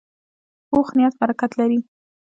پوخ نیت برکت لري